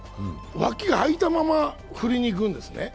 脇があいたまま振りにいくんですね。